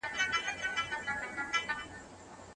هیوادونه ولي په ګډه اقتصادي همکاري کوي؟